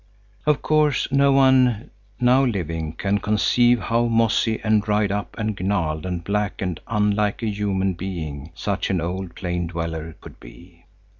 Of course no one now living can conceive how mossy and dried up and gnarled and black and unlike a human being such an old plain dweller could be.